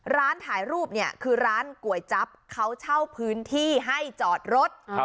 ร้านถ่ายรูปเนี่ยคือร้านก๋วยจั๊บเขาเช่าพื้นที่ให้จอดรถ